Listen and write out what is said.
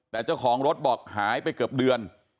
แต่เจ้าของรถบอกหายไปเกือบเดือน